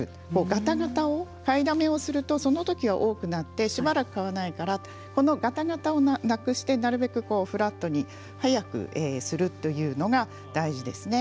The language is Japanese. がたがたを買いだめをするとそのときは多くなってしばらく買わないからこのがたがたをなくしてなるべくフラットに早くするというのが大事ですね。